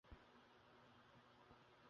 নিরাশায় দুঃখে নারদ চীৎকার করিয়া উঠিলেন।